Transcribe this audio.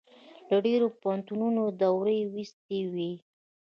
له ډېرو پوهنتونو یې دوړې ویستې وې.